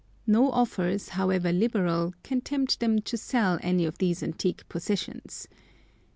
No offers, however liberal, can tempt them to sell any of these antique possessions.